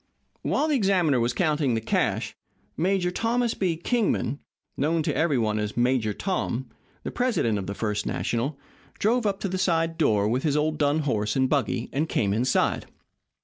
While the examiner was counting the cash, Major Thomas B. Kingman known to every one as "Major Tom" the president of the First National, drove up to the side door with his old dun horse and buggy, and came inside.